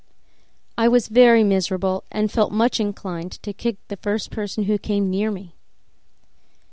I was very miserable and felt much inclined to kick the first person who came near me.